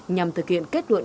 nhằm thực hiện kết luận